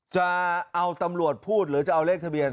จะเอาตำรวจพูดหรือจะเอาเลขทะเบียน